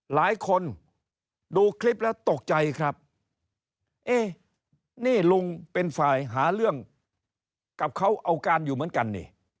หลายคนดูคลิปแล้วตกใจครับเอ๊ะนี่ลุงเป็นฝ่ายหาเรื่องกับเขาเอาการอยู่เหมือนกันนี่